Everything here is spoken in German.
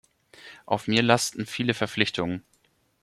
Auf mir lasten viele Verpflichtungen.